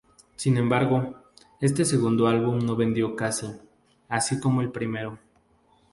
Sin embargo, este segundo álbum no vendió casi, así como el primero.